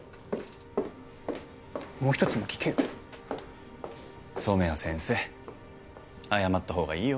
もう一つも聞けよ染谷先生謝った方がいいよ